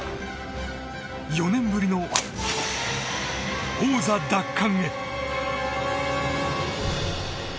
４年ぶりの王座奪還へ。